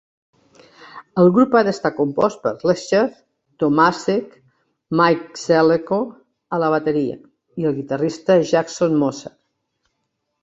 El grup ara està compost per Lescher, Tomasek, Mike Zelenko a la bateria i el guitarrista Jason Mosher.